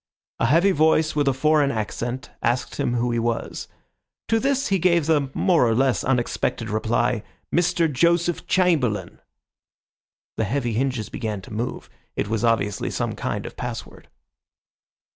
A heavy voice with a foreign accent asked him who he was. To this he gave the more or less unexpected reply, "Mr. Joseph Chamberlain." The heavy hinges began to move; it was obviously some kind of password.